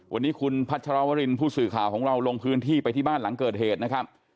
วันนี้คุณพัชรวรินผู้สื่อข่าวของเราลงพื้นที่ไปที่บ้านหลังเกิดเหตุนะครับ